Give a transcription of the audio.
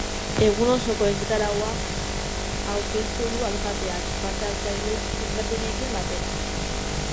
Egun osoko egitaraua aurkeztu du alkateak, parte-hartzaile ezberdinekin batera.